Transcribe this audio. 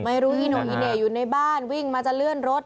ไม่รู้อีโนอิเน่อยู่ในบ้านวิ่งมาจะเลื่อนรถ